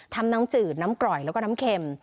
น้ำจืดน้ำกร่อยแล้วก็น้ำเข็ม